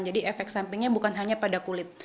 jadi efek sampingnya bukan hanya pada kulit